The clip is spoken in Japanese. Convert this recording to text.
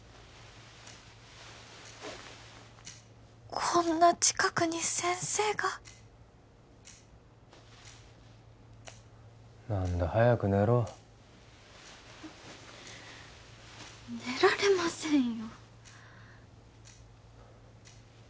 こんな近くに先生が何だ早く寝ろ寝られませんよ